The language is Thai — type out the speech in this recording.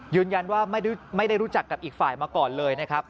ยืนยันว่าไม่ได้รู้จักกับอีกฝ่ายมาก่อนเลยนะครับ